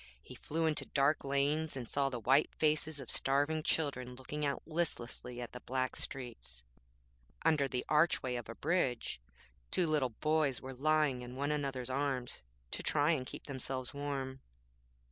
He flew into dark lanes, and saw the white faces of starving children looking out listlessly at the black streets. Under the archway of a bridge two little boys were lying in one another's arms to try and keep themselves warm.